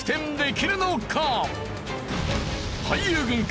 俳優軍か？